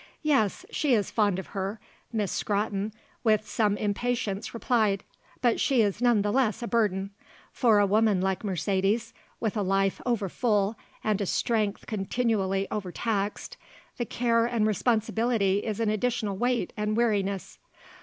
"Yes, she is fond of her," Miss Scrotton with some impatience replied; "but she is none the less a burden. For a woman like Mercedes, with a life over full and a strength continually overtaxed, the care and responsibility is an additional weight and weariness."